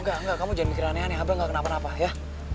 enggak enggak kamu jangan mikir aneh aneh abang gak kenapa napa ya